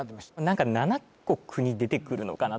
何か７個国出てくるのかなって